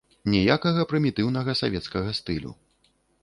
Ніякага прымітыўнага савецкага стылю.